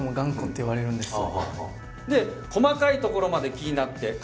て言われるんですよ。